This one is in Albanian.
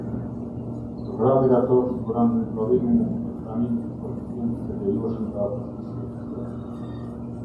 Programi racor siguron riprodhimin nëpërmjet pranimit të koeficientit të lejueshëm të afërsisë së.